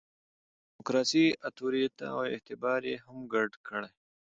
د ډیموکراسي اُتوریته او اعتبار یې هم ګډ کړي.